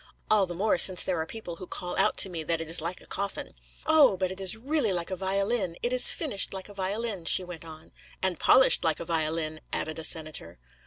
'All the more since there are people who call out to me that it is like a coffin.' 'Oh! but it is really like a violin. It is finished like a violin,' she went on. 'And polished like a violin,' added a senator.